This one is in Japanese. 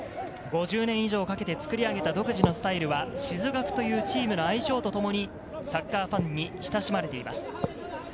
５０年以上かけて作り上げた独自のスタイルは、静学というチームの愛称とともにサッカーファンに親しまれています。